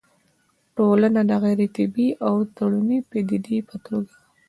ټولنه د غيري طبيعي او تړوني پديدې په توګه